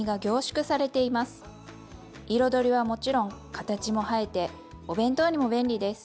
彩りはもちろん形も映えてお弁当にも便利です！